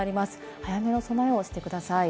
早めの備えをしてください。